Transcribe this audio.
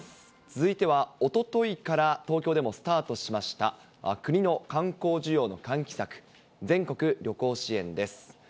続いては、おとといから東京でもスタートしました、国の観光需要の喚起策、全国旅行支援です。